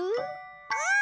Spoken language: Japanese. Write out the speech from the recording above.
うん！